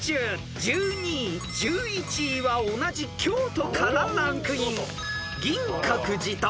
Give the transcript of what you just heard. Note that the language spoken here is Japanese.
［１２位１１位は同じ京都からランクイン］